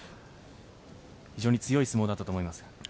非常に強い相撲だったと思いますが。